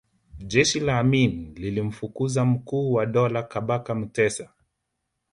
jeshi la amin lilimfukuza mkuu wa dola Kabaka mutesa